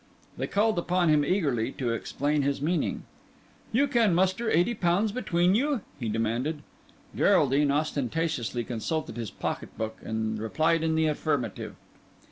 They called upon him eagerly to explain his meaning. "Can you muster eighty pounds between you?" he demanded. Geraldine ostentatiously consulted his pocket book, and replied in the affirmative.